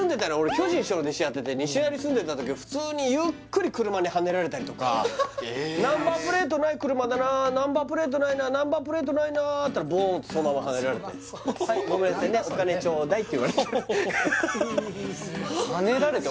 巨人師匠の弟子やってて西成住んでた時は普通にゆっくり車にはねられたりとかナンバープレートない車だなあナンバープレートないなナンバープレートないなったらボン！ってそのままはねられたりとかこうやってねスゲーなそうだね